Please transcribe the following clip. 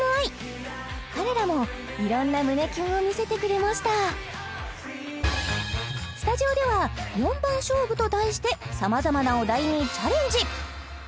ＩＮＩ彼らもいろんな胸キュンを見せてくれましたスタジオでは「４番勝負」と題して様々なお題にチャレンジ